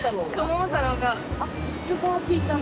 桃太郎が。